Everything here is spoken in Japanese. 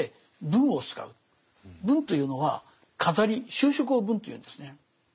文というのは飾り修飾を「文」というんですね。